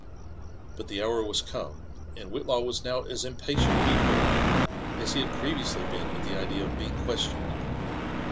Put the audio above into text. But the hour was come, and Whitlaw was now as impatient to be heard as ho had previously been at the idea of being questioned.